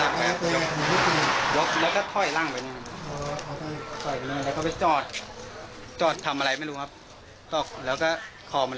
ล่างไปแล้วก็ไปจอดจอดทำอะไรไม่รู้ครับแล้วก็คอมัน